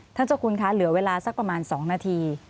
เจ้าคุณคะเหลือเวลาสักประมาณ๒นาที